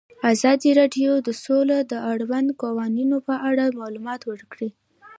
ازادي راډیو د سوله د اړونده قوانینو په اړه معلومات ورکړي.